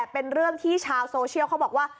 เป็นเรื่องที่ชาวโซเชียลเขาบอกว่า